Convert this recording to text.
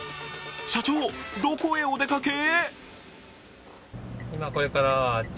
社長、どこへお出かけ？